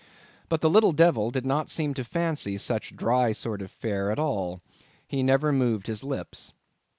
But the little devil did not seem to fancy such dry sort of fare at all; he never moved his lips.